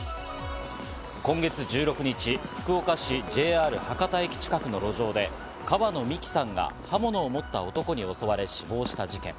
今月１６日、福岡市ＪＲ博多駅近くの路上で、川野美樹さんが刃物を持った男に襲われ、死亡した事件。